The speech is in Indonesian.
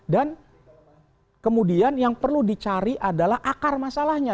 dan kemudian yang perlu dicari adalah akar masalahnya